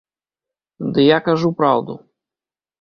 Ды я кажу праўду.